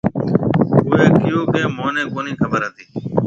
اُوئي ڪھيَََو ڪہ مھنيَ ڪونھيَََ خبر ھتِي۔